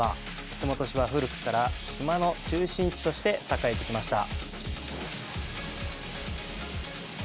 洲本市は古くから島の中心地として栄えてきました。